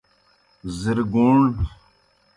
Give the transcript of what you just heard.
زِر گُوݨ۔